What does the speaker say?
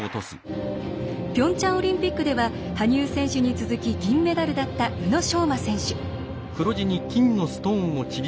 ピョンチャンオリンピックでは羽生選手に続き銀メダルだった宇野昌磨選手。